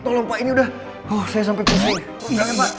tolong pak ini udah saya sampe kesulit